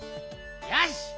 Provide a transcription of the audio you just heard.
よし！